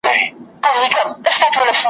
بېړۍ به خدای خبر چي د ساحل غېږ ته رسېږي `